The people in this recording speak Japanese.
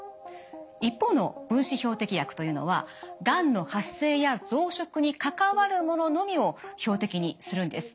一方の分子標的薬というのはがんの発生や増殖に関わるもののみを標的にするんです。